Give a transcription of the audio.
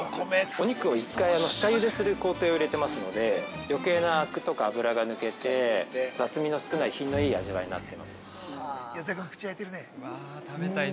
お肉を一回下ゆでする工程を入れてますので余計なアクとか脂が抜けて雑味の少ない品のいい味わいになっています。